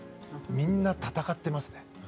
みんな戦ってますね。